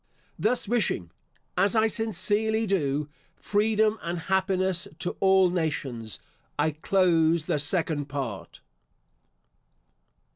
Thus wishing, as I sincerely do, freedom and happiness to all nations, I close the Second Part.